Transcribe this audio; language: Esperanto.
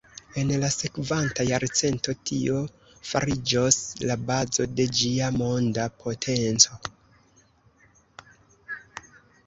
En la sekvanta jarcento, tio fariĝos la bazo de ĝia monda potenco.